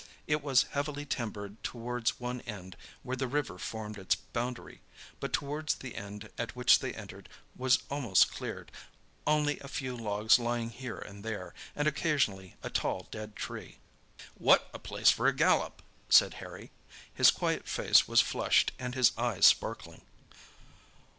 It was heavily timbered towards one end, where the river formed its boundary, but towards the end at which they entered was almost cleared, only a few logs lying here and there, and occasionally a tall dead tree. "What a place for a gallop!" said Harry. His quiet face was flushed and his eyes sparkling.